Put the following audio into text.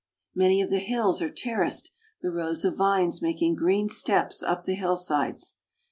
Many of the hills are terraced, the rows of vines making green steps up the hillsides.